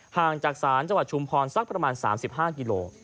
ห่างจากศาลจังหวัดชุมพรสักประมาณ๓๕กิโล